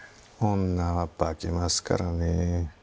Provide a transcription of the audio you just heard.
女は化けますからね。